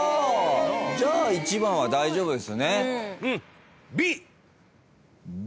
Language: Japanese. じゃあ１番は大丈夫ですね。